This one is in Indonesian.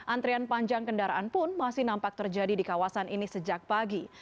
antrian panjang kendaraan pun masih nampak terjadi di kawasan ini sejak pagi